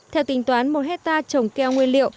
theo tính toán một hectare trồng keo nguyên liệu